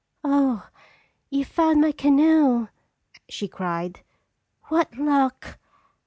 "Oh, you found my canoe!" she cried. "What luck!